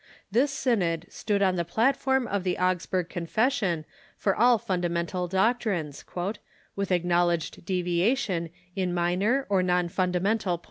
This synod stood on the plat form of the Augsburg Confession for all fundamental doc trines, " with acknowledged deviation in minor or non funda mental points."